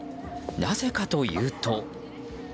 なぜかというと。